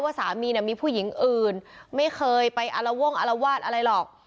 ว่าสามีน่ะมีผู้หญิงอื่นไม่เคยไปอะละว่งอะละวาดอะไรหรอก